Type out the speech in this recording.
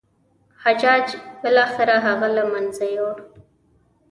حجاج بالاخره هغه له منځه یووړ.